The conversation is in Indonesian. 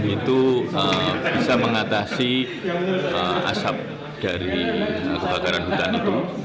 itu bisa mengatasi asap dari kebakaran hutan itu